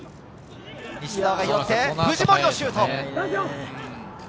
藤森のシュート。